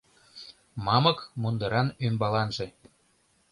Мамык мундыран ӱмбаланже